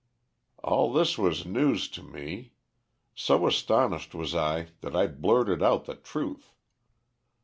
"All this was news to me. So astonished was I that I blurted out the truth.